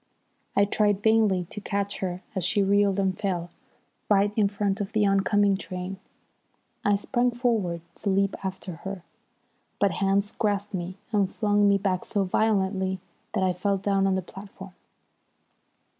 I tried vainly to catch her as she reeled and fell right in front of the oncoming train. I sprang forward to leap after her, but hands grasped me and flung me back so violently that I fell down on the platform.